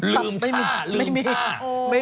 ลืมต่า